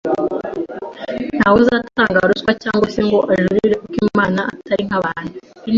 nta we uzatanga ruswa cyangwa se ngo ajurire kuko Imana Atari nk’abantu,